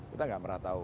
kita tidak pernah tahu